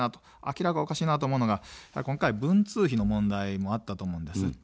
明らかにおかしいなと思うのが今回、文通費の問題もあったと思います。